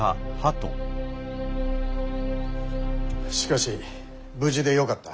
しかし無事でよかった。